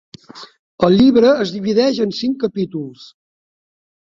El llibre es divideix en cinc capítols.